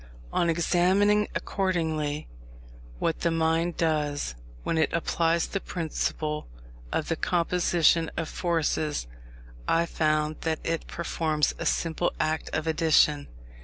On examining, accordingly, what the mind does when it applies the principle of the Composition of Forces, I found that it performs a simple act of addition.